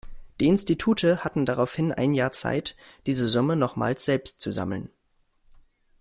Die Institute hatten daraufhin ein Jahr Zeit, diese Summe nochmals selbst zu sammeln.